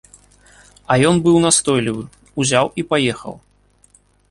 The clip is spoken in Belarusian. А ён быў настойлівы, узяў і паехаў.